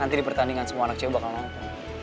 nanti di pertandingan semua anak cewek bakal ngangpung